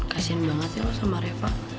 kasian banget ya lo sama reva